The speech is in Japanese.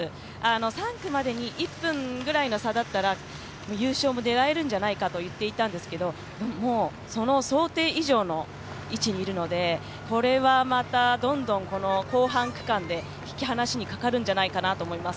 ３区までに１分ぐらいの差だったら優勝も狙えるんじゃないかと言っていたんですが、その想定以上の位置にいるので、これはまたどんどん後半区間で引き離しにかかるんじゃないかなと思います。